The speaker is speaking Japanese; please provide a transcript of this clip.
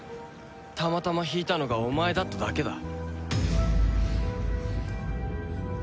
たまたま引いたのがお前だっただけだ。